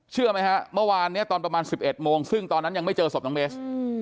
ไหมฮะเมื่อวานนี้ตอนประมาณ๑๑โมงซึ่งตอนนั้นยังไม่เจอศพน้องเบส